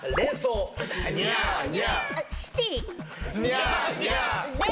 ニャーニャー。